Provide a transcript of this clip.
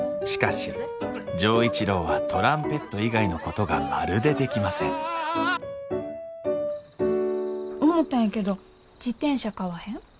しかし錠一郎はトランペット以外のことがまるでできません思たんやけど自転車買わへん？